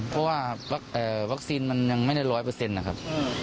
เพราะว่าวัคซีนมันยังไม่ได้ร้อยเปอร์เซ็นต์นะครับ